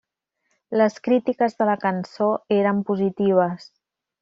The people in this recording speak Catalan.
Les crítiques de la cançó eren positives.